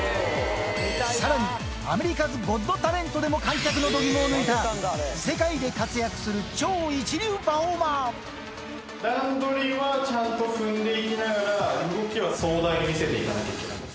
さらに、アメリカズゴッドタレントでも観客のどぎもを抜いた世界で活躍す段取りはちゃんと踏んでいきながら、動きは壮大に見せていかなきゃいけない。